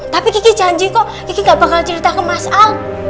tapi kiki janji kok kiki gak bakal cerita ke mas al